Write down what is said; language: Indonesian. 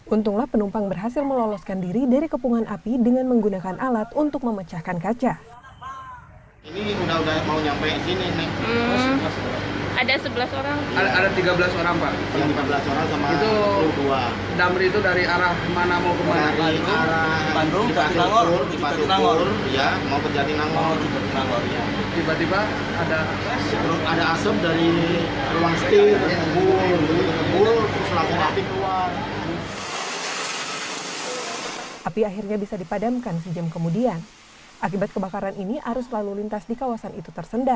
untunglah penumpang berhasil meloloskan diri dari kepungan api dengan menggunakan alat untuk memecahkan kaca